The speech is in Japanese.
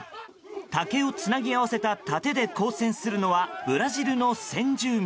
竹をつなぎ合わせた盾で抗戦するのはブラジルの先住民。